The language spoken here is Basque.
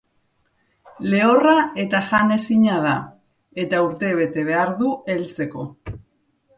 Lehorra eta janezina da, eta urtebete behar du heltzeko.